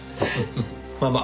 まあまあ。